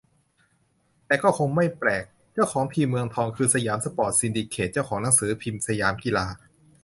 แต่ก็คงไม่แปลก เจ้าของทีมเมืองทอง คือ สยามสปอร์ต ซินดิเคต เจ้าของหนังสือพิมพ์สยามกีฬา